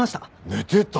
寝てた？